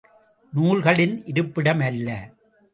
நூல்களின் இருப்பிடம் அல்ல.